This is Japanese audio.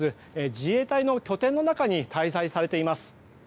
自衛隊の拠点の中に滞在されています。